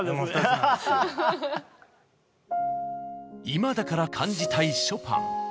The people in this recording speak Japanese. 今だから感じたいショパン。